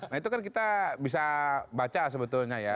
nah itu kan kita bisa baca sebetulnya ya